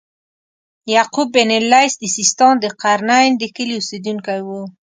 یعقوب بن اللیث د سیستان د قرنین د کلي اوسیدونکی و.